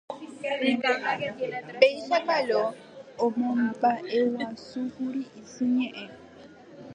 Péicha Kalo omomba'eguasúkuri isy ñe'ẽ